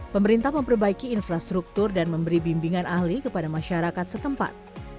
pemerintah memperbaiki infrastruktur dan memberi bimbingan ahli kepada masyarakat setempat